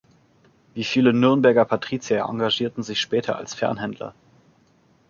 Wie viele Nürnberger Patrizier engagierten sie sich später als Fernhändler.